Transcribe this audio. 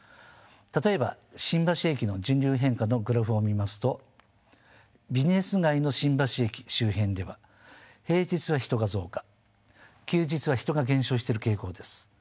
例えば新橋駅の人流の変化のグラフを見ますとビジネス街の新橋駅周辺では平日は人が増加休日は人が減少してる傾向です。